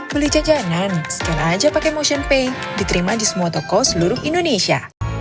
beli jajanan scan aja pake motionpay diterima di semua toko seluruh indonesia